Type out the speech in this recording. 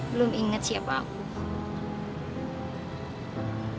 belum ingat siapa aku